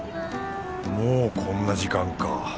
もうこんな時間か。